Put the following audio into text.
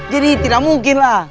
jadi tidak mungkin lah